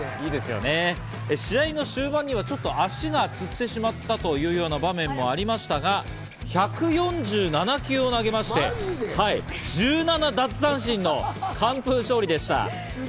試合の終盤にはちょっと足がつってしまったというような場面もありましたが、１４７球を投げまして１７奪三振の完封勝利でした。